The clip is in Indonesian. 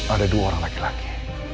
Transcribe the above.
ada dua orang laki laki